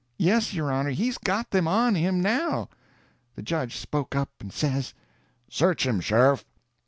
Yes, your honor, he's got them on him now." The judge spoke up and says: "Search him, sheriff."